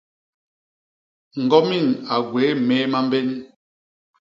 Ñgomin a gwéé méé mambén.